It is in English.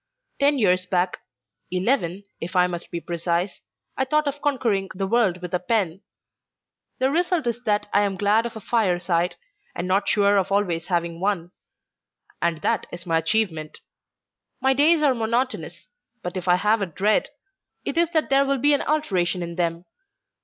Ten years back eleven, if I must be precise, I thought of conquering the world with a pen! The result is that I am glad of a fireside, and not sure of always having one: and that is my achievement. My days are monotonous, but if I have a dread, it is that there will be an alteration in them.